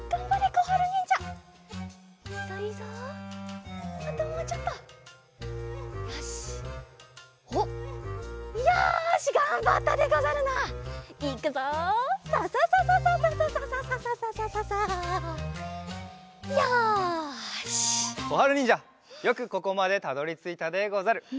こはるにんじゃよくここまでたどりついたでござる。